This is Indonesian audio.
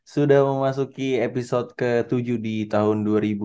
sudah memasuki episode ke tujuh di tahun dua ribu dua puluh